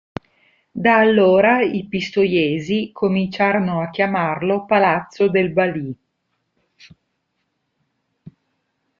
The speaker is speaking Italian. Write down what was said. Da allora i pistoiesi cominciarono a chiamarlo "Palazzo del Balì".